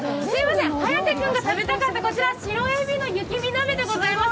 颯君が食べたかった白えびの雪見鍋でございます。